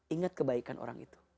ingat kebaikan orang itu